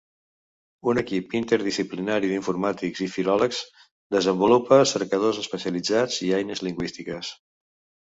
Un equip interdisciplinari d'informàtics i filòlegs desenvolupa cercadors especialitzats i eines lingüístiques.